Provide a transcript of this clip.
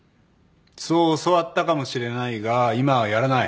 そう教わったかもしれないが今はやらない。